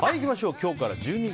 今日から１２月。